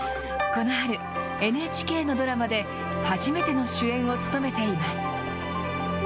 この春、ＮＨＫのドラマで初めての主演を務めています。